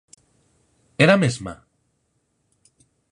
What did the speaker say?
Era a mesma?